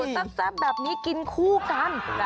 แซ่บแบบนี้กินคู่กัน